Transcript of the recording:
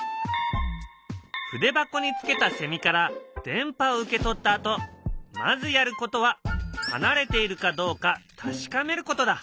筆箱につけたセミから電波を受け取ったあとまずやることは離れているかどうか確かめることだ。